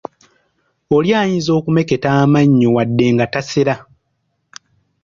Oli ayinza okumeketa amannyo wadde nga tasera.